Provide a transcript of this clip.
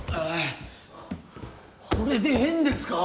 ほれでええんですか？